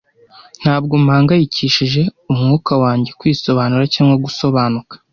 Ntabwo mpangayikishije umwuka wanjye kwisobanura cyangwa gusobanuka,